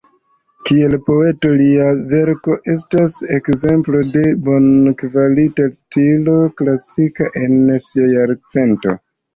Kiel poeto, lia verko estas ekzemplo de bonkvalita stilo klasika en sia jarcento.